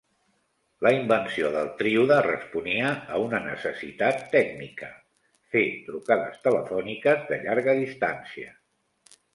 La invenció del tríode responia a una necessitat tècnica: fer trucades telefòniques de llarga distància.